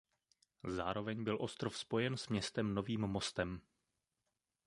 Zároveň byl ostrov spojen s městem novým mostem.